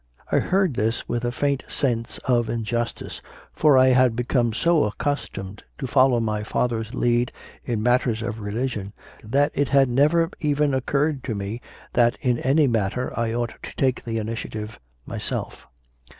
I heard this with a faint sense of injustice; for I had become so accustomed to follow my father s lead in matters of religion that it had never even occurred to me that in any matter I ought to take the initia tive myself.